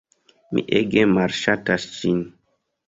Mi ege malŝatas ĝin.